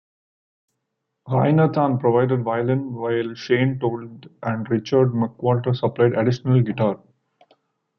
Rainer Tan provided violin, while Shane Told and Richard McWalter supplied additional guitar.